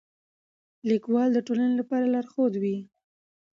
لیکوال د ټولنې لپاره لارښود وي.